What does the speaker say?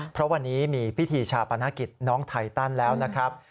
เพราะวันนี้มีพิธีชาปนกิจน้องไทตันแล้วนะครับ